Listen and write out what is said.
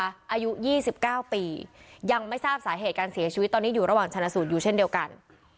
อายุ๒๙ปียังไม่ทราบสาเหตุการเสียชีวิตตอนนี้อยู่ระหว่างชนะสูตรอยู่เช่นเดียวกัน